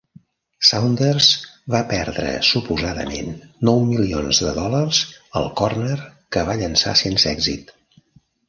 Saunders va perdre suposadament nou milions de dòlars al corner que va llençar sense èxit.